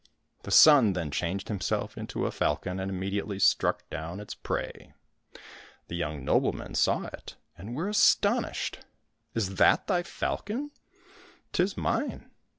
The son then changed himself into a falcon and immediately struck down its prey. The young noblemen saw it and were astonished. " Is that thy falcon ?"—*' 'Tis mine."